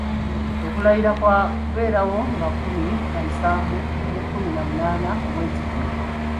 Okulayira kwa kubeerawo nga kkumi na musanvu ne kkumi na munaana omwezi guno.